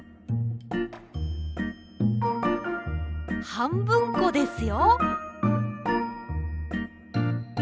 はんぶんこですよ。